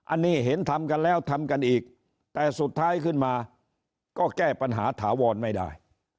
อันนี้เห็นทำกันแล้วทำกันอีกแต่สุดท้ายขึ้นมาก็แก้ปัญหาถาวรไม่ได้